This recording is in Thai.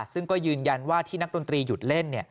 ซึ่งก็ยืนยันว่าที่นักดนตรีหยุดเล่น